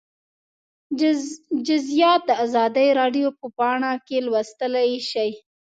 جزییات د ازادي راډیو په پاڼه کې لوستلی شئ